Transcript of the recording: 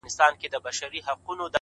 چي كله مخ ښكاره كړي ماته ځېرسي اې ه-